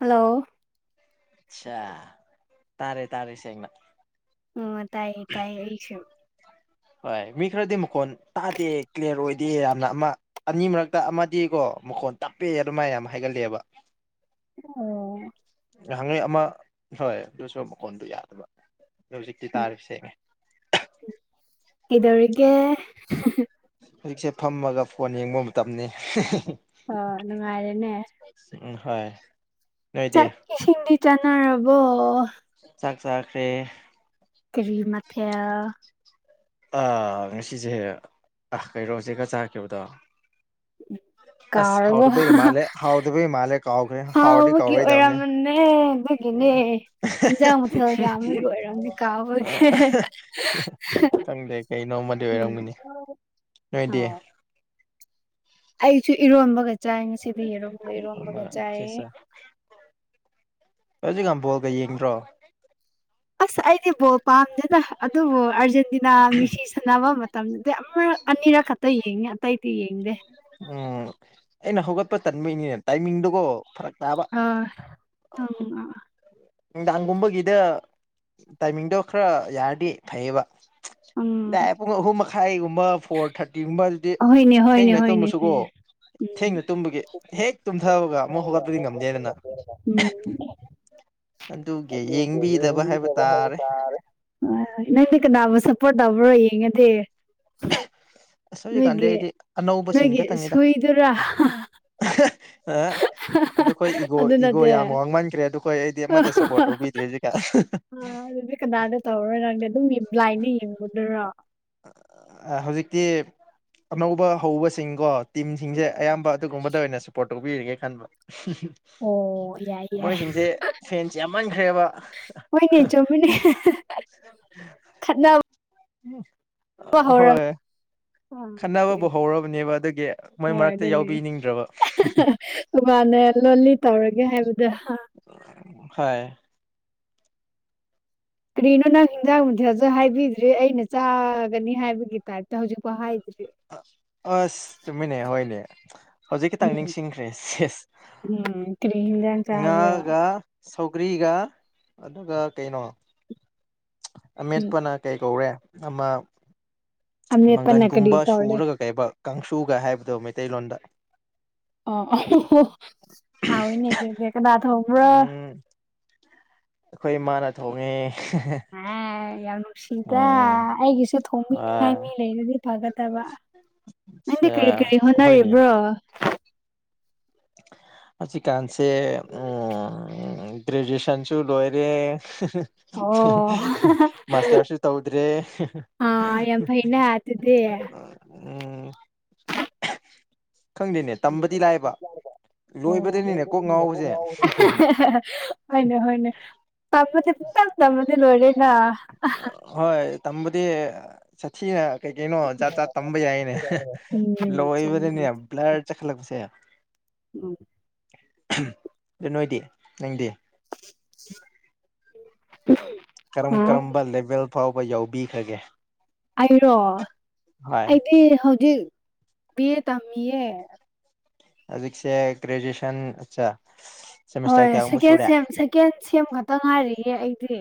Hello ꯑ ꯇꯥꯔꯦ ꯇꯥꯔꯦ ꯁꯦꯡꯅ ꯑꯣ ꯇꯥꯏꯌꯦ ꯇꯥꯏꯌꯦ ꯏꯁꯨ ꯍꯣꯏ ꯃꯤ ꯈꯔꯗꯤ ꯃꯈꯣꯟ ꯇꯥꯗꯦ ꯀ꯭ꯂꯤꯌꯥꯔ ꯑꯣꯏꯗꯦ ꯌꯥꯝꯅ ꯑꯃ ꯑꯅꯤ ꯃꯔꯛꯇ ꯑꯃꯗꯤꯀꯣ ꯃꯈꯣꯟ ꯇꯞꯄꯦ ꯑꯗꯨꯃꯥꯏꯅ ꯌꯥꯝ ꯍꯥꯏꯒꯠꯂꯦꯕ [unintelligible] ꯉꯥꯏꯍꯥꯛꯉꯩ ꯑꯃ ꯍꯣꯏ ꯑꯗꯨꯁꯨ ꯃꯈꯣꯟꯗꯨ ꯌꯥꯗꯕ ꯑꯗꯨ ꯍꯧꯖꯤꯛꯇꯤ ꯇꯥꯔꯤ ꯁꯦꯡꯉꯦ ꯏꯧꯒ ꯍꯧꯖꯤꯛꯁꯦ ꯐꯝꯃꯒ ꯐꯣꯟ ꯌꯦꯡꯕ ꯃꯇꯝꯅꯤ ꯑꯣ ꯅꯨꯡꯉꯥꯏꯔꯦꯅꯦ ꯎꯝ ꯍꯣꯏ ꯅꯣꯏꯗꯤ ꯆꯥꯛ ꯏꯁꯤꯡꯗꯤ ꯆꯥꯟꯅꯔꯕꯣ ꯆꯥꯛ ꯆꯥꯈ꯭ꯔꯦ ꯀꯔꯤ ꯃꯊꯦꯜ ꯑꯥ ꯉꯁꯤꯁꯦ ꯑ ꯀꯩꯔꯣ ꯁꯦ ꯆꯥꯈꯤꯕꯗꯣ [unintelligible] ꯑꯁ ꯀꯥꯎꯔꯕꯣ ꯍꯥꯎꯗꯕꯒꯤ ꯃꯥꯜꯂꯦ ꯍꯥꯎꯗꯕꯒꯤ ꯃꯥꯜꯂꯦ ꯀꯥꯎꯒ꯭ꯔꯦ ꯍꯥꯎꯔꯗꯤ ꯀꯥꯎꯔꯣꯏ ꯇꯕꯅꯦ ꯒꯤꯅꯦ ꯏꯟꯖꯥꯡ ꯃꯊꯦꯜ ꯌꯥꯝꯕꯒꯤ ꯑꯣꯏꯔꯝꯒꯅꯤ ꯀꯥꯎꯕꯒꯤ ꯑ ꯀꯩꯅꯣ ꯑꯃꯗꯤ ꯎꯝ ꯑꯣꯏꯔꯝꯒꯅꯤ ꯅꯣꯏꯗꯤ ꯑꯣ ꯑꯩꯁꯨ ꯏꯔꯣꯝꯕꯒ ꯆꯥꯏ ꯉꯁꯤꯗꯤ ꯌꯦꯔꯨꯝ ꯍꯧꯖꯤꯛꯀꯥꯟ ꯕꯣꯜꯒ ꯌꯦꯡꯗ꯭ꯔꯣ ꯑꯁ ꯑꯩꯗꯤ ꯕ‌ꯣꯜ ꯄꯥꯝꯗꯦꯗ ꯑꯗꯨꯕꯨ ꯑꯔꯖꯦꯟ ꯇꯤꯅ ꯃꯤꯁꯤ ꯁꯥꯟꯅꯕ ꯃꯇꯝꯗꯗꯤ ꯑꯃꯔꯛ ꯑꯅꯤꯔꯛ ꯈꯛꯇ ꯌꯦꯡꯉꯦ ꯑꯇꯩꯗꯤ ꯌꯦꯡꯗꯦ ꯎꯝ ꯑꯩꯅ ꯍꯧꯒꯠꯄ ꯆꯟꯕꯩꯅꯤꯅꯦ ꯇꯥꯏꯃꯤꯡꯗꯨꯒꯣ ꯐꯔꯛ ꯇꯥꯕ ꯑꯥ ꯑꯥ ꯅꯨꯡꯗꯥꯡꯒꯨꯝꯕꯒꯤꯗ ꯇꯥꯏꯃꯤꯡꯗꯣ ꯈꯔ ꯌꯥꯔꯗꯤ ꯐꯩꯌꯦꯕ ꯎꯝ ꯀꯥꯏ ꯄꯨꯡ ꯑꯍꯨꯝ ꯃꯈꯥꯏꯒꯨꯝꯕ ꯐꯣꯔ ꯊꯥꯔꯇꯤꯒꯨꯝꯕ ꯑꯗꯨꯗꯤ ꯍꯣꯏꯅꯦ ꯍꯣꯏꯅꯦ ꯊꯦꯡꯅ ꯍꯣꯏꯅꯦ ꯇꯨꯝꯃꯁꯨꯀꯣ ꯍꯣꯏꯅꯦ ꯎꯝ ꯊꯦꯡꯅ ꯇꯨꯝꯕꯒꯤ ꯍꯦꯛ ꯇꯨꯝꯊꯕꯒ ꯑꯃꯨꯛ ꯍꯧꯒꯠꯄꯗꯤ ꯉꯝꯗꯦꯗꯅ ꯎꯝ [unintelligible] ꯑꯗꯨꯒꯤ ꯌꯦꯡꯕꯤꯗꯕ ꯍꯥꯏꯕ ꯍꯣꯏ ꯍꯣꯏ ꯇꯥꯔꯦ ꯅꯪꯗꯤ ꯀꯅꯥꯕꯨ ꯁꯞꯄꯣꯔꯠ ꯇꯧꯕ꯭ꯔꯣ ꯌꯦꯡꯉꯗꯤ ꯑꯁ ꯍꯧꯖꯤꯛꯀꯥꯟꯗꯤ ꯅꯣꯏꯒꯤ ꯑꯩꯗꯤ ꯑꯅꯧꯕꯁꯤꯡ ꯅꯣꯏꯒꯤ ꯈꯇꯪꯅꯤꯗ ꯁꯨꯏꯗꯨꯔꯥ ꯑꯗꯣ ꯑꯩꯈꯣꯏ ꯏꯒꯣ ꯑꯗꯨ ꯏꯒꯣ ꯅꯠꯇꯦ ꯌꯥꯝ ꯋꯥꯡꯃꯟꯈ꯭ꯔꯦ ꯑꯗꯣ ꯑꯩꯈꯣꯏ ꯑꯩꯗꯤ ꯑꯃꯠꯇ ꯁꯞꯄꯣꯔꯠ ꯑ, ꯇꯧꯕꯤꯗ꯭ꯔꯦ ꯍꯧꯖꯤꯛ ꯑꯗꯨꯗꯤ ꯀꯅꯥꯗ ꯇꯧꯔꯣꯏ ꯅꯪꯗꯤ ꯑꯗꯨꯝ ꯕ꯭ꯂꯥꯏꯟꯗ ꯌꯦꯡꯕꯗꯨꯔꯣ ꯍꯧꯖꯤꯛꯇꯤ ꯑꯅꯧꯕ ꯍꯧꯕꯁꯤꯡꯀꯣ ꯇꯤꯝꯁꯤꯡꯁꯦ ꯑꯌꯥꯝꯕ ꯑꯗꯨꯒꯨꯝꯕꯗ ꯑꯣꯏꯅ ꯁꯄꯣꯔꯠ ꯇꯧꯕꯤꯔꯒꯦ ꯈꯟꯕ ꯑꯣ ꯌꯥꯏ ꯌꯥꯏ ꯃꯣꯏꯁꯤꯡꯁꯦ ꯐꯦꯟꯁ ꯌꯥꯝꯃꯟꯈ꯭ꯔꯦꯕ ꯍꯣꯏꯅꯦ ꯈꯠꯅꯕ ꯍꯧꯔꯕ ꯍꯣꯏ ꯑ, ꯈꯠꯅꯕꯕꯨ ꯍꯧꯔꯕꯅꯦꯕ ꯑꯗꯨꯒꯤ ꯃꯣꯏ ꯍꯣꯏ ꯃꯔꯛꯇ ꯌꯥꯎꯕꯤꯅꯤꯡꯗ꯭ꯔꯕ ꯑꯗꯨ ꯃꯅꯦ ꯂꯣꯂꯤ ꯇꯧꯔꯒꯦ ꯍꯥꯏꯕꯗ ꯍꯣꯏ [inaudible] ꯀꯔꯤꯅꯣ ꯅꯪ ꯍꯦꯟꯖꯥꯡ ꯃꯊꯦꯜꯁꯨ ꯍꯥꯏꯕꯤꯗ꯭ꯔꯤ ꯑꯩꯅ ꯆꯥꯒꯅꯤ ꯍꯥꯏꯕꯒꯤ ꯇꯥꯏꯞꯇ ꯍꯧꯖꯤꯛꯐꯥꯎ ꯍꯥꯏꯗ꯭ꯔꯤ ꯑꯁ ꯆꯨꯝꯃꯤꯅꯦ ꯍꯣꯏꯅꯦ ꯍꯧꯖꯤꯛ ꯈꯤꯇꯪ ꯎꯝ ꯅꯤꯡꯁꯤꯡꯈ꯭ꯔꯦ ꯁꯦꯁ ꯎꯝ ꯀꯔꯤ ꯍꯤꯟꯖꯥꯡ ꯆꯥꯕ꯭ꯔꯣ ꯉꯥꯒ ꯁꯧꯒ꯭ꯔꯤꯒ ꯑꯗꯨꯒ ꯀꯩꯅꯣ ꯎꯝ ꯑꯃꯦꯠꯄꯅ ꯀꯩ ꯀꯧꯔꯦ ꯑꯃ ꯑꯃꯦꯠꯄꯅ ꯀꯔꯤ ꯃꯪꯒꯟꯒꯨꯝꯕ ꯀꯧꯔꯦ ꯁꯨꯔꯒ ꯀꯩꯕ ꯀꯥꯡꯁꯨꯒ ꯍꯥꯏꯕꯗꯣ ꯃꯩꯇꯩꯂꯣꯟꯗ ꯑꯣ ꯍꯥꯎꯏꯅꯦ ꯑꯗꯨꯗꯤ ꯀꯅꯥ ꯊꯣꯡꯕ꯭ꯔ ꯎꯝ ꯑꯩꯈꯣꯏ ꯃꯥꯅ ꯊꯣꯡꯉꯦ ꯑꯦ ꯌꯥꯝ ꯅꯨꯡꯁꯤꯗ ꯎꯝ ꯑꯩꯒꯤꯁꯨ ꯊꯣꯡꯕꯤꯅꯤꯡꯉꯥꯏ ꯃꯤ ꯑ ꯂꯩꯔꯗꯤ ꯐꯒꯗꯕ ꯅꯪꯗꯤ ꯀꯔꯤ ꯀꯔꯤ ꯍꯣꯏꯅꯦ ꯍꯣꯠꯅꯔꯤꯕ꯭ꯔꯣ ꯍꯧꯖꯤꯛꯀꯥꯟꯁꯦ ꯎꯝ ꯎ ꯭ꯒꯔꯦꯖ꯭ꯨꯌꯦꯁꯟꯁꯨ ꯂꯣꯏꯔꯦ ꯑꯣ ꯃꯥꯁꯇꯔꯁꯨ ꯇꯧꯗ꯭ꯔꯦ ꯑꯥ ꯌꯥꯝ ꯐꯩꯅ ꯑꯗꯨꯗꯤ ꯎꯝ ꯈꯪꯗꯦꯅꯦ ꯇꯝꯕꯗꯤ ꯂꯥꯏꯕ ꯂꯣꯏꯕꯗꯅꯤꯅꯦ ꯀꯣꯛ ꯉꯥꯎꯕꯁꯦ ꯑꯣ [unintelligible] ꯍꯣꯏꯅꯦ ꯍꯣꯏꯅꯦ ꯇꯝꯕꯗꯤ ꯄꯨꯡꯇꯝ ꯇꯝꯃꯗꯤ ꯂꯣꯏꯔꯦꯅ ꯍꯣꯏ ꯇꯝꯕꯗꯤ ꯁꯥꯊꯤꯅ ꯀꯩ ꯀꯩꯅꯣ ꯖꯥꯠ ꯖꯥꯥꯠ ꯇꯝꯕ ꯌꯥꯏꯅꯦ ꯎꯝ ꯆꯨꯝꯃꯤ꯫ ꯂꯣꯏꯕꯗꯅꯦ ꯕ꯭ꯂꯔ ꯆꯠꯈꯠꯂꯛꯄꯁꯦ ꯎꯝ ꯑꯗꯨ ꯅꯣꯏꯗꯤ ꯅꯪꯗꯤ [inaudible] ꯀꯔꯝ ꯀꯔꯝꯕ ꯂꯦꯚꯦꯜ ꯐꯥꯎꯕ ꯌꯥꯎꯕꯤꯈ꯭ꯔꯒꯦ ꯑꯩꯔꯣ ꯑꯩꯗꯤ ꯍꯧꯖꯤꯛ ꯕꯤ ꯑꯦ ꯇꯝꯃꯤꯌꯦ ꯑꯖꯤꯛꯁꯦ ꯭ꯔꯦꯖꯨꯌꯦꯁꯟ ꯑ ꯍꯣꯏ ꯁꯦꯀꯦꯟ ꯁꯦꯝ ꯁꯦꯀꯦꯟ ꯁꯦꯝ ꯈꯛꯇ ꯉꯥꯏꯔꯤꯌꯦ ꯑꯩꯗꯤ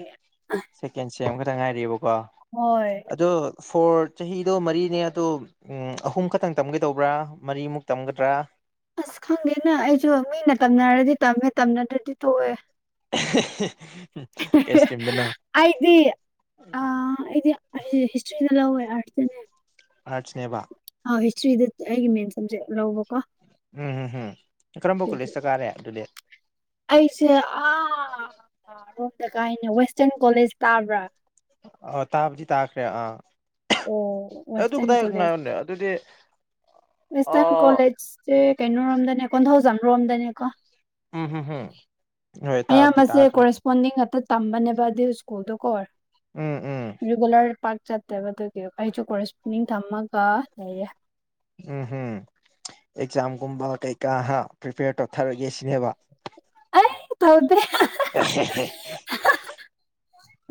ꯁꯦꯀꯦꯟ ꯁꯦꯝ ꯑꯃꯈꯛꯇꯪ ꯉꯥꯏꯔꯤꯑꯕꯀꯣ ꯍꯣꯏ ꯑꯗꯣ ꯐꯣꯔ ꯆꯍꯤꯗꯣ ꯃꯔꯤꯅꯦ ꯑꯗꯣ ꯑꯍꯨꯝ ꯈꯛꯇꯪ ꯇꯝꯒꯦꯗꯧꯕ꯭ꯔꯥ ꯃꯔꯤꯃꯨꯛ ꯇꯝꯒꯗ꯭ꯔꯥ ꯑꯁ ꯈꯪꯗꯦꯅ ꯑꯩꯁꯨ ꯃꯤꯅ ꯇꯝꯅꯔꯗꯤ ꯇꯝꯃꯦ ꯇꯝꯅꯗ꯭ꯔꯗꯤ ꯇꯣꯛꯑꯦ ꯀꯩ ꯏꯁꯇ꯭ꯔꯤꯝꯗꯅ ꯑꯩꯗꯤ ꯑ ꯑꯩꯗꯤ ꯑꯩꯗꯤ ꯍꯤꯁꯇ꯭ꯔꯤꯗ ꯂꯧꯋꯦ ꯑꯥꯔꯠꯁꯇꯅꯦ ꯑꯥꯆꯅꯦꯕ ꯑ ꯍꯤꯁꯇ꯭ꯔꯤꯗ ꯑꯩꯒꯤ ꯃꯦꯟ ꯁꯕꯖꯦꯛ ꯂꯧꯕꯀꯣ ꯎꯝ ꯎꯝ ꯎꯝ ꯀꯔꯝꯕ ꯀꯣꯂꯦꯖ ꯑꯗꯨꯒꯤ ꯆ ꯀꯥꯔꯦ ꯑꯗꯨꯗꯤ ꯑꯩꯁꯦ ꯑꯥ ꯔꯣꯝꯗ ꯀꯥꯏꯅꯦ ꯋꯦꯁꯇꯔꯟ ꯀꯣꯂꯦꯖ ꯇꯥꯕ꯭ꯔꯥ ꯑ ꯇꯥꯕꯨꯗꯤ ꯇꯥꯈ꯭ꯔꯦ ꯑꯥ ꯑꯣ ꯑꯗꯨ ꯋꯦꯁꯔ ꯀꯗꯥꯏ ꯀꯣꯂꯦꯖ ꯉꯥꯏꯌꯣꯅꯦ ꯑꯗꯨꯗꯤ ꯋꯦꯁꯇꯔ ꯑꯥ ꯀꯣꯂꯦꯖ ꯁꯦ ꯀꯩꯅꯣꯔꯣꯝꯗꯅꯦ ꯀꯣꯟꯊꯧꯖꯝꯔꯣꯝꯗꯅꯦꯀꯣ ꯎꯝ ꯍꯝ ꯎꯝ ꯍꯣꯏ ꯇꯥꯑꯕꯗꯤ ꯇꯥꯈ꯭ꯔꯦ ꯍꯣꯟꯗꯤ ꯉꯥꯛꯇ ꯇꯝꯕꯅꯦꯕ ꯑꯗꯨ ꯁ꯭ꯀꯨꯜꯗꯣ ꯀꯣ ꯎꯝ ꯎꯝ ꯔꯤꯒꯨꯂꯔ ꯄꯥꯛ ꯆꯠꯇꯦꯕ ꯑꯗꯨꯒꯤ ꯑꯩꯁꯨ ꯀꯣꯔꯦꯁꯄꯣꯟꯗꯤꯡ ꯊꯝꯃꯒ ꯂꯩꯌꯦ ꯎꯝ ꯎꯝ ꯑꯦꯛꯖꯥꯝꯒꯨꯝꯕ ꯀꯩꯀꯥ ꯍꯥ ꯄ꯭ꯔꯤꯄꯦꯌꯔ ꯇꯧꯊꯔꯒꯦ ꯁꯤꯅꯦꯕ ꯀꯩꯝ ꯇꯧꯗ‌ꯦ [inaudible]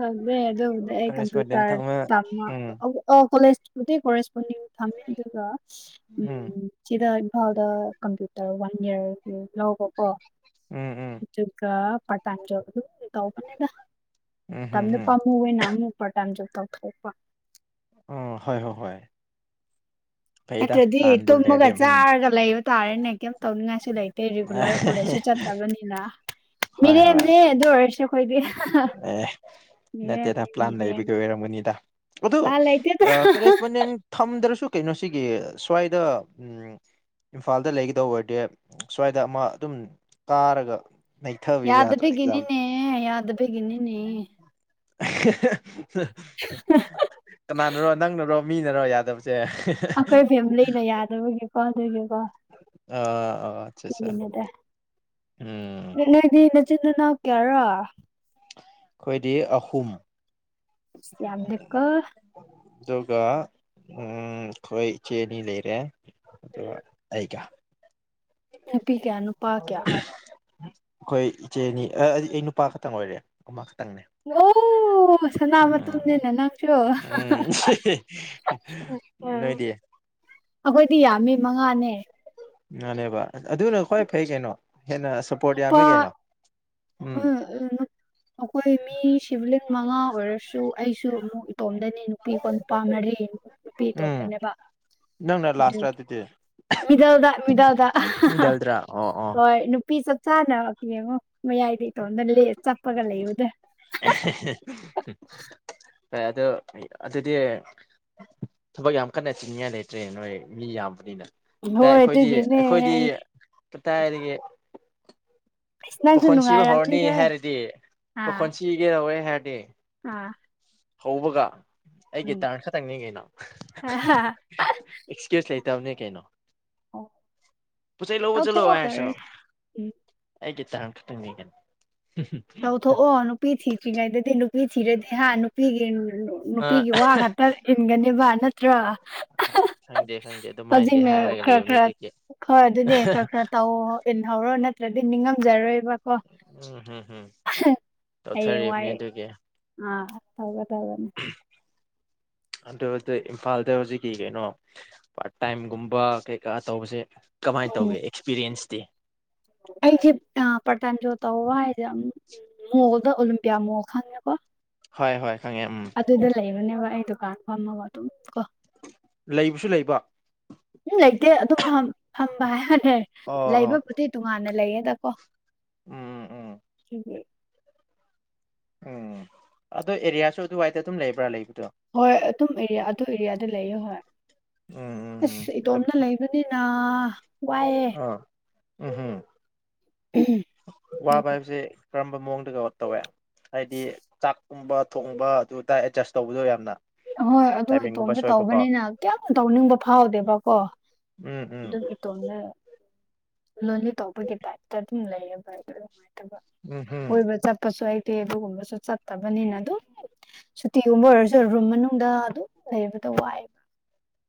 ꯑꯗꯨꯗꯦ ꯑꯗꯨꯗꯦ ꯀꯔꯦꯁꯄꯣꯟꯗꯦꯟ ꯀꯝꯄ꯭ꯨꯇꯔ ꯊꯝꯃ ꯇꯃ ꯎꯝ ꯑꯣ ꯀꯣꯂꯦꯖꯄꯨꯗꯤ ꯀꯣꯔꯔꯦꯁꯄꯣꯟꯗꯤꯡ ꯊꯝꯃꯦ ꯑꯗꯨꯒ ꯎ ꯎꯝ ꯁꯤꯗ ꯏꯝꯐꯥꯜꯗ ꯀꯝꯄ꯭ꯌꯨꯇꯔ ꯋꯥꯟ ꯏꯌꯥꯔ ꯂꯧꯕꯀꯣ ꯎꯝ ꯎꯝ ꯑꯗꯨꯒ ꯄꯇꯥ ꯌꯥꯗ ꯇꯗ [unintelligible] ꯎꯝ ꯍꯝ ꯃꯇꯝꯗꯨ ꯍꯝ ꯄꯥꯃꯨ ꯑꯣꯏꯅ ꯑꯃꯨꯛꯄ ꯇꯥꯏꯝ ꯖꯣꯞ ꯇꯧꯊꯣꯛꯄ ꯑꯣ ꯍꯣꯏ ꯍꯣꯏ ꯍꯣꯏ ꯐꯩꯗ ꯅꯠꯇ꯭ꯔꯗꯤ ꯄ꯭ꯂꯥꯟꯕꯨ ꯂꯩꯔꯗꯤ ꯇꯨꯝꯃꯒ ꯎꯝ ꯆꯥꯔꯒ ꯂꯩꯕ ꯇꯥꯔꯦꯅꯦ ꯀꯩꯝ ꯇꯧꯅꯤꯡꯉꯥꯏꯁꯨ ꯂꯩꯇꯦ ꯔꯤꯒꯨꯂꯔ ꯀꯣꯂꯦꯖꯁꯨ ꯆꯠꯇꯕꯅꯤꯅ ꯍꯣꯏ ꯍꯣꯏ ꯃꯤꯔꯦꯝꯅꯦ ꯑꯗꯨ ꯑꯣꯏꯔꯁꯨ ꯑꯩꯈꯣꯏꯗꯤ ꯑꯦ ꯅꯠꯇꯦꯗ ꯃꯤꯔꯦꯝꯅꯤ ꯄ꯭ꯂꯥꯟ ꯂꯩꯕ ꯃꯤꯔꯦꯝ ꯀ ꯑꯣꯏꯔꯝꯃꯅꯤꯗ ꯑꯗꯨ ꯎꯄꯥꯏ ꯂꯩꯇꯦꯗ ꯀꯔꯦꯁꯄꯣꯟꯗꯦꯟ ꯊꯝꯗ꯭ꯔꯁꯨ ꯀꯩꯅꯣ ꯁꯤꯒꯤ ꯁ꯭ꯋꯥꯏꯗ ꯎ ꯏꯝꯐꯥꯜꯗ ꯂꯩꯒꯗꯧꯕ ꯑꯣꯏꯔꯗꯤ ꯁ꯭ꯋꯥꯏꯗ ꯑꯃ ꯑꯗꯨꯝ ꯀꯥꯔꯒ ꯅꯩꯊꯕꯤꯕ ꯌꯥꯗ꯭ꯔꯥ ꯑꯦꯛꯖꯥꯝꯗ ꯑꯦ ꯌꯥꯗꯕꯒꯤꯅꯤꯅ‌ꯦ ꯀꯅꯥꯅꯔꯣ ꯅꯪꯅꯔꯣ ꯃꯤꯅꯔꯣ ꯌꯥꯗꯕꯁꯦ ꯑꯩꯈꯣꯏ ꯐꯦꯃꯤꯂꯤꯗ ꯌꯥꯗꯕꯒꯤꯀꯣ ꯑꯗꯨꯒꯤꯀꯣ ꯑ ꯑꯣ ꯑꯆꯥ ꯑꯆꯥ ꯅꯣꯢꯗꯤ ꯅꯆꯤꯟꯅꯥꯎ ꯀꯌꯥꯔꯥ ꯑꯩꯈꯣꯏꯗꯤ ꯑꯍꯨꯝ ꯁꯝ ꯂꯩꯀꯣ ꯑꯗꯨꯒ ꯎꯝ ꯈꯣꯏ ꯆꯦꯅꯤ ꯂꯩꯔꯦ ꯑꯩ ꯀ ꯅꯨꯄꯤꯀꯌꯥꯅꯣ ꯑꯩꯈꯣꯏ ꯏꯆꯦ ꯑꯅꯤ ꯑꯩ ꯅꯨꯄꯥ ꯈꯛꯇꯪ ꯑꯣꯏꯔꯦ ꯑꯃ ꯈꯛꯇꯪꯅꯦ ꯑꯣ ꯑꯣ ꯁꯅꯥ ꯎꯝ ꯃꯇꯨꯝꯅꯤꯅ ꯅꯪꯁꯤꯔꯣ ꯎꯝ ꯅꯣꯏꯗꯤ ꯑꯩꯈꯣꯏꯗꯤ ꯌꯥꯝꯃꯤ ꯃꯉꯥꯅꯦ ꯉꯅꯦꯕ ꯑꯗꯨꯅ ꯈ꯭ꯋꯥꯏ ꯐꯩ ꯀꯩꯅꯣ ꯍꯦꯟꯅ ꯁꯞꯄꯣꯔꯠ ꯌꯥꯝꯃꯦ ꯀꯩꯅꯣ ꯑ ꯎꯝ ꯎꯝ ꯑꯩꯈꯣꯏ ꯃꯤ ꯁꯤꯚꯂꯤꯡ ꯃꯉꯥ ꯑꯣꯏꯔꯁꯨ ꯑꯩꯁꯨ ꯑꯃꯨꯛ ꯏꯇꯣꯝꯗꯅꯤ ꯅꯨꯄꯤ ꯀꯣ ꯅꯨꯄꯥ ꯃꯔꯤ ꯅꯨꯄꯤ ꯎꯝ ꯇꯣꯝꯇꯅ‌ꯦꯕ ꯅꯪꯅ ꯂꯥꯁꯇ꯭ꯔꯥ ꯑꯗꯨꯗꯤ ꯃꯤꯗꯜꯗ ꯃꯤꯗꯜꯗ ꯃꯤꯗꯜꯗ꯭ꯔꯥ ꯑꯣ ꯑꯣ ꯍꯣꯏ ꯄꯤ ꯆꯞ ꯆꯥꯅꯕ ꯌꯦꯡꯉꯣ ꯃꯌꯥꯏꯗꯒꯤꯇꯣꯟꯗ ꯆꯞꯄꯒ ꯂꯩꯌꯨꯗ ꯍ [unintelligible] ꯑꯗꯨ ꯑꯗꯨꯗꯤ ꯊꯕꯛ ꯌꯥꯝ ꯀꯟꯅ ꯆꯤꯡꯅꯤꯉꯥꯏ ꯂꯩꯇ꯭ꯔꯦ ꯅꯣꯏ ꯃꯤ ꯌꯥꯝꯕꯅꯤꯅ ꯍꯣꯏ ꯑꯩꯈꯣꯏꯗꯤ ꯑꯗꯨꯒꯤꯅꯦ ꯑꯩ ꯑꯩꯈꯣꯏꯗꯤꯏꯗꯒꯤ ꯑꯁ ꯅꯪꯁꯨ ꯄꯈꯣꯟꯁꯤꯕꯨ ꯍꯧꯔꯅꯤ ꯅꯨꯡꯉꯥꯏꯔꯝꯅꯤꯍꯦ ꯍꯥꯏꯔꯗꯤ ꯑꯥ ꯄꯈꯣꯟ ꯁꯤꯒꯦ ꯇꯧꯋꯦ ꯍꯥꯏꯔꯗꯤ ꯑꯥ ꯍꯧꯕꯒ ꯑꯩꯒꯤ ꯎꯝ ꯇꯔꯟ ꯈꯛꯇꯪ ꯅꯤꯡꯉꯩꯅ ꯑꯦꯛꯁꯀ꯭ꯌꯨꯁ ꯂꯩꯇꯕꯅꯦ ꯀꯩꯅꯣ ꯑꯣ ꯄꯣꯠꯆꯩ ꯂꯧꯕ ꯇ ꯊꯣꯛꯑ ꯈꯔ ꯎ ꯑꯩꯒꯤꯦ ꯇꯔꯥꯟ ꯈꯇꯅꯤꯡꯅꯤꯦ ꯇꯧꯊꯣꯛꯑꯣ ꯅꯨꯄꯤ ꯊꯤꯗ꯭ꯔꯤꯉꯩꯗꯗꯤ ꯅꯨꯄꯤ ꯊꯤꯔꯗꯤ ꯍꯥ ꯅꯨꯄꯤꯒꯤ ꯑ ꯅꯨꯄꯤꯒꯤ ꯋꯥ ꯉꯥꯛꯇ ꯏꯟꯒꯅꯦꯕ ꯅꯠꯇ꯭ꯔꯣ ꯃꯥꯏꯅꯗꯤ ꯍꯧꯖꯤꯛꯅ ꯍꯥꯏꯔꯒ ꯈꯔ ꯂꯩꯕꯅꯤ ꯈꯔ ꯑꯗꯨꯒꯤ ꯍꯣꯏ ꯑꯗꯨꯗꯤ ꯈꯔ ꯈꯔ ꯇꯧ ꯏꯜꯍꯧꯔꯣ ꯅꯠꯇ꯭ꯔꯗꯤ ꯅꯤꯡꯉꯝꯖꯔꯣꯏꯕ ꯀꯣ ꯎꯝ ꯍꯝ ꯍꯝ ꯇꯧꯊꯔꯤꯕꯅꯤ ꯍꯌꯦꯡꯋꯥꯏ ꯑꯗꯨꯒꯤ ꯑꯥ ꯇꯧꯒ ꯇꯧꯔꯅꯤ ꯑꯗꯨ ꯏꯝꯐꯥꯜꯗ ꯍꯧꯖꯤꯛꯀꯤ ꯀꯩꯅꯣ ꯄꯥꯔꯠ ꯇꯥꯏꯝꯒꯨꯝꯕ ꯀꯩꯀꯥ ꯇꯧꯕꯁꯦ ꯀꯃꯥꯏꯅ ꯇꯧꯒꯦ ꯑꯦꯛꯁꯄꯤꯔꯤꯌꯦꯟꯁꯇꯤ ꯑꯩ ꯑ ꯄꯇꯝꯁꯨ ꯇ ꯍ ꯋꯥ ꯍꯥꯏꯖ ꯃꯨꯕꯗ‌ꯣ ꯑꯣꯂꯦꯝꯄꯤꯌꯥꯃ‌ꯣ ꯈꯪꯉꯦꯀꯣ ꯍꯣꯏ ꯍꯣꯏ ꯈꯪꯉꯦ ꯎꯝ ꯑꯗꯨꯗ ꯂꯩꯕꯅꯦꯕ ꯑꯩ ꯗꯨꯀꯥꯟ ꯐꯝꯃꯒ ꯑꯗꯨꯝ ꯀꯣ ꯂꯩꯕꯁꯨ ꯂꯩꯕ ꯎꯝ ꯂꯩꯇꯦ ꯑꯗꯨꯝ ꯐꯝꯕ ꯍꯥꯏꯔꯔꯦ ꯑꯣ ꯑꯣ ꯂꯩꯕꯕꯨꯗꯤ ꯇꯣꯉꯥꯟꯅ ꯂꯩꯌꯦꯦꯗꯀꯣ ꯎꯝ ꯎꯝ ꯎꯝ ꯎꯝ ꯎꯝ ꯑꯗꯣ ꯑꯦꯔꯤꯌꯥꯁꯨ ꯑꯗꯨꯋꯥꯏꯗ ꯑꯗꯨꯝ ꯂꯩꯕ꯭ꯔꯥ ꯂꯩꯕꯗꯣ ꯍꯣꯏ ꯑꯗꯨꯝ ꯑꯦꯔꯤꯌꯥ ꯑꯗꯨꯝ ꯑꯦꯔꯤꯌꯥꯗ ꯂꯩ ꯍꯣꯏ ꯎꯝ ꯎꯝ ꯎꯝ ꯑꯁ ꯏꯇꯣꯝꯅ ꯂꯩꯕꯅꯤꯅ ꯋꯥꯏꯑꯦ ꯎꯝꯍꯝ [unintelligible] ꯑꯣꯀꯦ ꯋꯥꯕꯥꯏꯕꯁꯦ ꯀꯔꯝꯕ ꯃꯑꯣꯡꯗ ꯀꯩꯅꯣ ꯇꯧꯋꯦ ꯍꯥꯏꯗꯤ ꯆꯥꯛꯀꯨꯝꯕ ꯊꯣꯡꯕ ꯑꯗꯨꯗꯥ ꯑꯦꯗꯖꯁ ꯇꯧꯕꯗꯣ ꯌꯥꯝꯅ ꯑꯍꯣꯏ ꯑꯗꯨ ꯇꯥꯏꯃꯤꯡꯒꯨꯝꯕ ꯏꯇꯣꯝꯇ ꯁꯣꯏꯕꯀꯣ ꯇꯧꯕꯅꯤꯅ ꯀꯌꯥꯝ ꯇꯧꯅꯤꯡꯕ ꯐꯥꯎꯗꯦꯕꯀꯣ ꯎꯝ ꯎꯝ ꯑꯗꯨꯝ ꯇꯣꯟꯅ ꯂꯣꯟꯂꯤ ꯇꯧꯕꯒꯤ ꯇꯥꯏꯞꯇ ꯑꯗꯨꯝ ꯂꯩꯌꯦꯕ ꯑꯩꯗ ꯅꯨꯡꯉꯥꯏꯇꯕ ꯎꯝ ꯍꯝ ꯀꯣꯏꯕ ꯆꯠꯄꯁꯨ ꯑꯩ ꯇꯦꯕꯒꯨꯝꯕꯁꯨ ꯆꯠꯇꯕꯅꯤꯅ ꯑꯗꯨ ꯁꯨꯇꯤꯒꯨꯝꯕ ꯑꯣꯏꯔꯁꯨ ꯔꯨꯝ ꯃꯅꯨꯡꯗ ꯑꯗꯨꯝ ꯂꯩꯕꯗꯣ ꯋꯥꯏꯑꯕ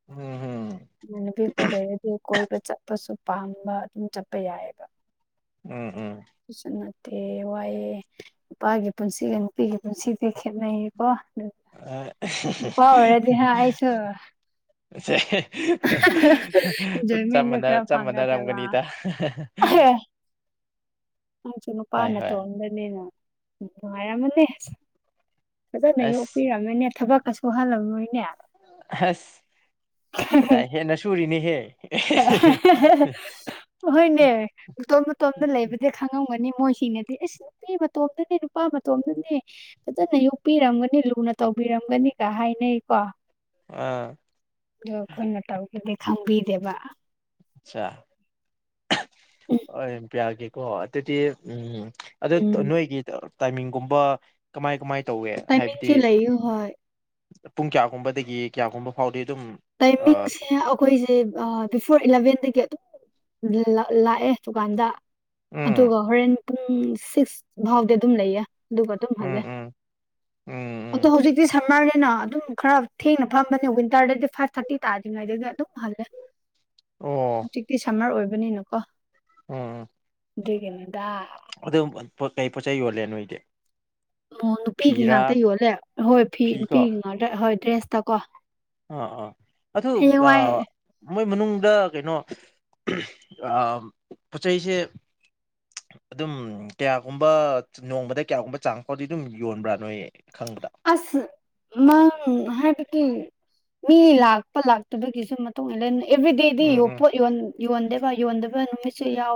ꯎꯝ ꯍꯝ ꯏꯃꯅꯕꯤ ꯀꯣ ꯂꯩꯔ ꯑꯗꯨ ꯀꯣꯏꯕ ꯆꯠꯄꯁꯨ ꯄꯥꯝꯕ ꯑꯗꯨꯝ ꯆꯠꯄ ꯌꯥꯏꯑꯕ ꯎꯝ ꯎꯝ ꯁꯤꯁꯨ ꯅꯠꯇꯦ ꯋꯥꯏꯑꯦ ꯅꯨꯄꯥꯒꯤ ꯄꯨꯟꯁꯤꯒ ꯅꯨꯄꯤꯒꯤ ꯄꯨꯟꯁꯤꯗꯤ ꯈꯦꯠꯅꯩꯌꯦꯀꯣ ꯄꯥꯎ ꯋꯥꯦꯗꯤ ꯍꯥ ꯑꯁꯨ ꯑꯁ ꯏꯟꯖꯣꯏꯃꯦꯟꯗꯣ ꯁꯦ ꯈꯔ ꯆꯞ ꯐꯪꯒꯗꯕ ꯃꯥꯟꯅꯔꯝꯒꯅꯤꯗ ꯅꯪꯁꯨ ꯍꯣꯏ ꯅꯨꯄꯥꯅ ꯍꯣꯏ ꯇꯣꯛꯑꯝꯗꯅꯤꯅ ꯅꯨꯡꯉꯥꯏꯔꯝꯃꯅꯦꯁ ꯐꯖꯅ ꯑꯁ ꯌꯣꯛꯄꯤꯔꯝꯃꯅꯦ ꯊꯕꯛꯀ ꯁꯨꯍꯜꯂꯝꯃꯣꯏꯅꯦ ꯑꯁ ꯀꯗꯥꯏ ꯍꯦꯟꯅ ꯁꯨꯔꯤꯅꯤꯍꯦ ꯑꯍꯣꯏꯅꯦ ꯃꯇꯇꯣꯝ ꯃꯇꯇꯣꯝꯇ ꯂꯩꯕꯗꯤ ꯈꯪꯉꯝꯒꯅꯤ ꯃꯣꯏꯁꯤꯡꯅꯗꯤ ꯑꯁ ꯅꯨꯄꯤ ꯃꯇꯣꯝꯗꯅꯦ ꯅꯨꯄꯥ ꯃꯇꯣꯝꯗꯅꯦ ꯐꯖꯅ ꯌꯣꯛꯄꯤꯔꯝꯒꯅꯤ ꯂꯨꯅ ꯇꯧꯕꯤꯔꯝꯒꯅꯤꯒ ꯍꯥꯏꯅꯩꯀꯣ ꯑꯥ ꯑꯗꯣ ꯑꯩꯈꯣꯏꯅ ꯇꯧꯒꯗꯤ ꯈꯪꯕꯤꯗꯦꯕ ꯑꯆꯥ ꯑꯣ ꯍ‌ꯣꯔ‌ꯦꯟ ꯄꯤꯔꯛꯑꯒ‌ꯦꯀ‌ꯣ ꯑꯗꯨꯗꯤ ꯎꯝ ꯑꯗꯨ ꯎꯝ ꯅꯣꯏꯒꯤ ꯇꯥꯏꯃꯤꯡꯒꯨꯝꯕ ꯀꯃꯥꯏ ꯀꯃꯥꯏ ꯇꯧꯋꯦ ꯍꯥꯏꯕꯗꯤ ꯇꯥꯏꯃꯤꯡꯁꯦ ꯂꯩꯌꯨ ꯍꯣꯏ ꯄꯨꯡ ꯀꯌꯥꯒꯨꯝꯕꯗꯒꯤ ꯀꯌꯥꯒꯨꯝꯕ ꯐꯥꯎꯗꯤ ꯑꯗꯨꯝ ꯑꯥ ꯇꯥꯏꯃꯤꯁꯦ ꯑꯩꯈꯣꯏꯁꯦ ꯕꯤꯐꯣꯔ ꯏꯂꯚꯦꯟꯗꯒꯤ ꯑꯗꯨꯝ ꯂꯥꯛꯑꯦ ꯗꯨꯀꯥꯟꯗ ꯎꯝ ꯑꯗꯨꯒ ꯍꯣꯔꯦꯟ ꯄꯨꯡ ꯁꯤꯛꯁ ꯐꯥꯎꯗꯤ ꯑꯗꯨꯝ ꯂꯩꯌꯦ ꯑꯗꯨꯒ ꯑꯗꯨꯝ ꯎꯝ ꯍꯜꯂꯦ ꯎꯝ ꯎꯝ ꯑꯣ ꯎꯝ ꯍꯧꯖꯤꯛꯇꯤ ꯁꯝꯃꯔꯅꯤꯅ ꯑꯗꯨꯝ ꯈꯔ ꯊꯦꯡꯅ ꯐꯝꯕꯅꯦ ꯋꯤꯟꯇꯔꯗꯗꯤ ꯐꯥꯏꯚ ꯊꯥꯇꯤ ꯇꯥꯖꯉꯥꯏꯗꯗꯤ ꯑꯗꯨꯝꯜꯂꯦ ꯑꯣ ꯍꯧꯖꯤꯛꯇꯤ ꯁꯝꯃꯔ ꯑꯣꯏꯕꯅꯤꯅꯀꯣ ꯎꯝ ꯑꯗꯨꯒꯤꯅꯤꯗ ꯑꯗꯨꯝ ꯀꯩ ꯄ‌ꯣꯠꯆꯩ ꯌꯣꯂꯦ ꯅ‌ꯣꯏꯗꯤ ꯑꯣ ꯅꯨꯄꯤꯒꯤ ꯉꯥꯛꯇ ꯌꯣꯜꯂꯦ ꯍꯣꯏ ꯐꯤ ꯐꯤꯀꯣ ꯅꯨꯄꯤꯒꯤ ꯉꯥꯛꯇ ꯍꯣꯏ ꯗ꯭ꯔꯦꯁꯇ ꯀꯣ ꯑ ꯑꯥ ꯑꯗꯨ ꯑ ꯃꯣꯏ ꯃꯅꯨꯡꯗ ꯀꯩꯅꯣ ꯄꯣꯠ ꯆꯩꯩꯁꯦ [unintelligible] ꯑꯗꯨꯝ ꯀꯌꯥꯒꯨꯝꯕ ꯅꯣꯡꯃꯗ ꯀꯌꯥꯒꯨꯝꯕ ꯆꯥꯡ ꯐꯥꯎꯗꯤ ꯑꯗꯨꯝ ꯌꯣꯟꯕ꯭ꯔꯥ ꯅꯣꯏ ꯈꯪꯕꯗ ꯑꯁ ꯃꯪ ꯍꯥꯏ ꯇꯀꯤ ꯃꯤ ꯂꯥꯛꯄ ꯂꯥꯛꯇꯕꯒꯤꯁꯨ ꯃꯇꯨꯡ ꯑꯦꯕ꯭ꯔꯤ ꯗꯦꯗꯤ ꯎꯝ ꯎꯝ ꯌ ꯌꯣꯟꯗꯕ ꯌꯣꯟꯗꯕ ꯅꯨꯃꯤꯠꯁꯨ ꯌꯥꯎꯋꯦꯕ